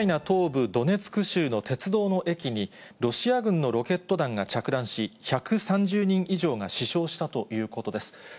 東部ドネツク州の鉄道の駅に、ロシア軍のロケット弾が着弾し、１３０人以上が死傷したということです。